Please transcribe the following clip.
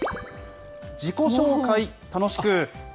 自己紹介、楽しく。